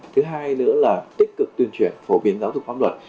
thứ hai nữa là tích cực tuyên truyền phổ biến giáo dục pháp luật